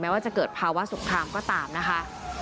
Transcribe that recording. ว่าจะเกิดภาวะสงครามก็ตามนะคะ